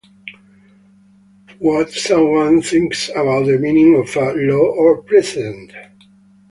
What someone thinks about the meaning of a law or precedent?